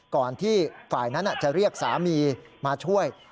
ก่อนที่ฝ่ายนั้นจะเรียกสามีมาช่วย